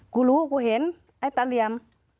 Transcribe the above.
กูรู้กูเห็นไอ้ตาเหลี่ยม